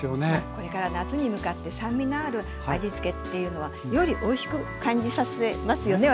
これから夏に向かって酸味のある味つけっていうのはよりおいしく感じさせますよね